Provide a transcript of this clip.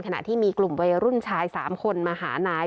ขณะที่มีกลุ่มวัยรุ่นชาย๓คนมาหานาย